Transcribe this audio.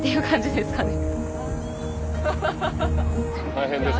大変です。